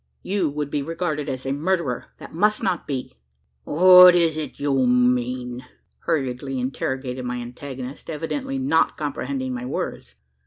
You would be regarded as a murderer: that must not be." "What is't you mean?" hurriedly interrogated my antagonist, evidently not comprehending my words.